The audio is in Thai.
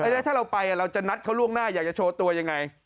แล้วถ้าเราไปเราจะนัดเขาล่วงหน้าอยากจะโชว์ตัวยังไง